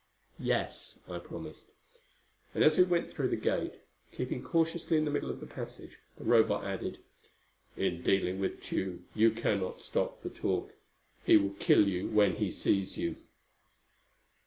"Yes," I promised. And as we went through the gate, keeping cautiously in the middle of the passage, the Robot added, "In dealing with Tugh you cannot stop for talk. He will kill you when he sees you."